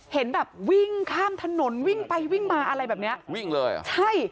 เห็นแบบวิ่งข้ามถนนวิ่งไปวิ่งมาอะไรแบบนี้